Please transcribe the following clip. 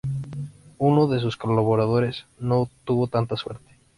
Uno de sus colaboradores no tuvo tanta suerte.